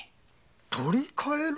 取り替える？